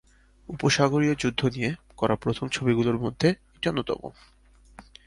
উপসাগরীয় যুদ্ধে নিয়ে করা প্রথম ছবিগুলোর মধ্যে এটি অন্যতম।